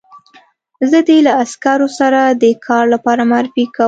زه دې له عسکرو سره د کار لپاره معرفي کوم